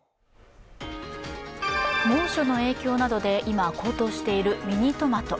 猛暑の影響などで今、高騰しているミニトマト。